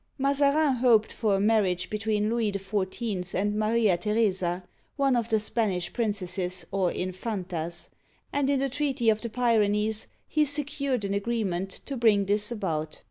" Mazarin hoped for a marriage between Louis XIV. and Maria Theresa, one of the Spanish princesses, or infantas ; and in the treaty of the Pyrenees he secured an agree ment to bring this about.